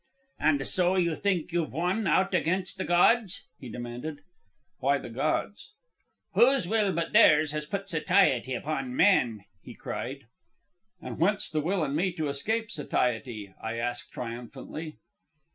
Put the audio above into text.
"And so you think you've won out against the gods?" he demanded. "Why the gods?" "Whose will but theirs has put satiety upon man?" he cried. "And whence the will in me to escape satiety?" I asked triumphantly.